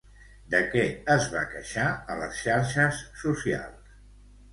De què es va queixar a les xarxes socials?